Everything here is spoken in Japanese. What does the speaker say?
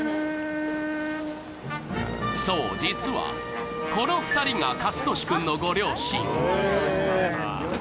そう、実は、この２人が勝利君のご両親。